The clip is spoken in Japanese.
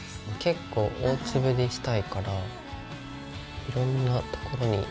結構大粒にしたいからいろんなところに。